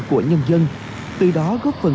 của nhân dân từ đó góp phần